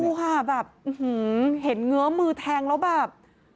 ดูค่ะแบบเห็นเงื้อมือแทงแล้วแบบ